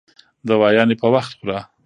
دوايانې په وخت خوره